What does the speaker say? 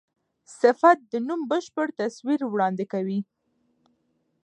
صفت د نوم بشپړ تصویر وړاندي کوي.